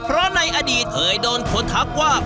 เพราะในอดีตเคยโดนคนทักว่า